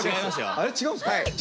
あれ違うんですか？